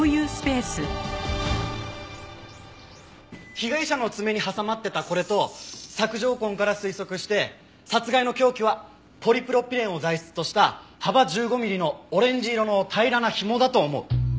被害者の爪に挟まってたこれと索条痕から推測して殺害の凶器はポリプロピレンを材質とした幅１５ミリのオレンジ色の平らな紐だと思う。